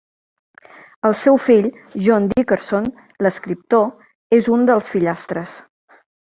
El seu fill, John Dickerson, l'escriptor, és un dels fillastres.